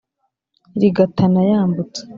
rigatana yambutse.